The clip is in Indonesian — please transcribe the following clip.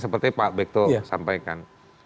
seperti pak bekto sampaikan